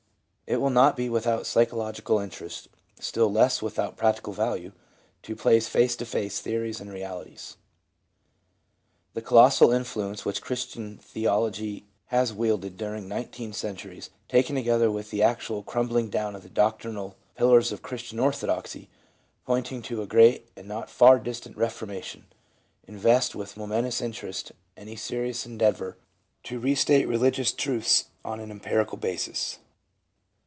It will not be without psychological interest, still less without practical value, to place face to face theories and realities. The colossal influence which Christian theology has wield ed during nineteen centuries, taken together with the actual crumbling down of the doctrinal pillars of Christian Orthodoxy, pointing to a great and not far distant reforma tion, invest with momentous interest any serious endeavor to restate religious truths on an empirical basis.